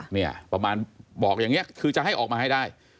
เนี่ยประมาณบอกอย่างนี้คือจะให้ออกมาให้ได้